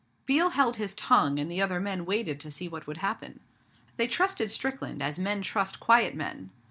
Biel held his tongue, and the other men waited to see what would happen. They trusted Strickland as men trust quiet men.